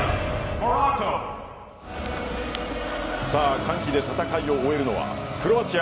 歓喜で戦いを終えるのはクロアチア？